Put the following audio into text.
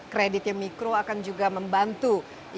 kreditnya mikro akan juga membantu